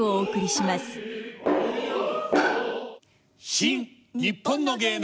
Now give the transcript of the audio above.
「新・にっぽんの芸能」。